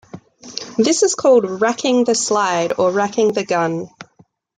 This is called racking the slide or racking the gun.